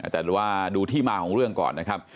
แต่ว่าดูที่มาของเรื่องก่อนนะครับ